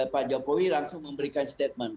pak jokowi langsung memberikan statement